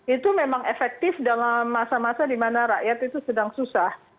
itu memang efektif dalam masa masa di mana rakyat itu sedang susah